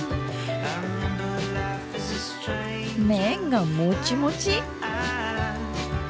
麺がもちもち！